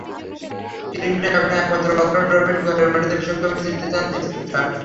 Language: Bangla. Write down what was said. ক্রিকেটে এখনো একমাত্র অধরা ট্রফিটি ঘরের মাটিতে বিশ্বকাপেই জিততে চান স্মিথরা।